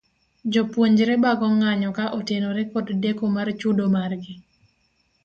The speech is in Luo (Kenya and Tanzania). Jopuonjre bago ng'anyo ka otenore kod deko mar chudo mar gi.